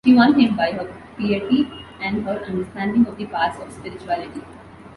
She won him by her piety and her understanding of the paths of spirituality.